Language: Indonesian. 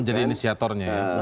menjadi inisiatornya ya